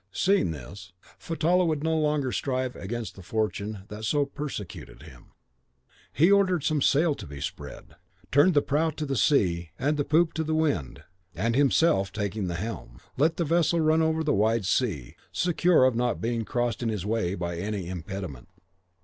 "Seeing this, Fatallah would no longer strive against the fortune that so persecuted him. He ordered some sail to be spread, turned the prow to the sea and the poop to the wind, and himself taking the helm, let the vessel run over the wide sea, secure of not being crossed in his way by any impediment.